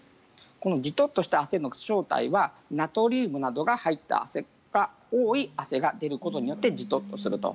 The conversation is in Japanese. このジトッとした汗の正体はナトリウムなどが多い汗が出ることによってジトッとすると。